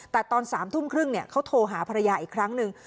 แต่ตอน๓ทุ่มครึ่งเขาโทรหาภรรยาอีกครั้งหนึ่ง